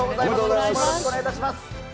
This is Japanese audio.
今年もよろしくお願いいたします。